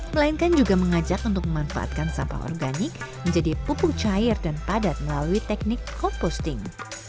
melainkan juga mengajak untuk memanfaatkan sampah organik menjadi pupuk cair dan padat melalui teknik komposting